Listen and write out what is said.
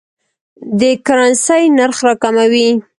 د کرنسۍ نرخ راکموي.